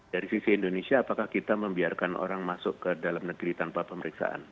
dari sisi indonesia apakah kita membiarkan orang masuk ke dalam negeri tanpa pemeriksaan